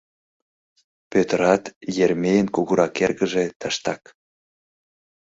Пӧтырат, Еремейын кугурак эргыже, тыштак.